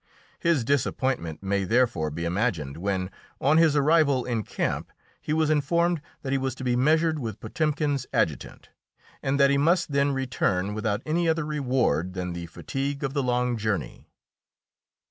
His disappointment may therefore be imagined when, on his arrival in camp, he was informed that he was to be measured with Potemkin's adjutant, and that he must then return without any other reward than the fatigue of the long journey.